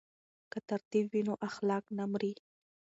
که تربیت وي نو اخلاق نه مري.